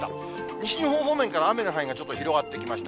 西日本方面から雨の範囲がちょっと広がってきました。